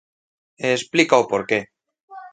E explica o porqué.